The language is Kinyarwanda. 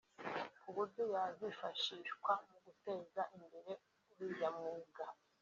ku buryo yazifashishwa mu guteza imbere uriya mwuga